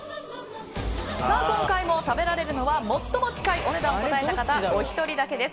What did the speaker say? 今回も食べられるのは最も近いお値段を答えたおひとりだけです。